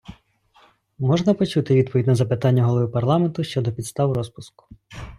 Можна почути відповідь на запитання Голови парламенту щодо підстав розпуску?